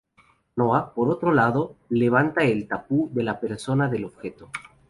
Noa, por otro lado, levanta el tapu de la persona o del objeto.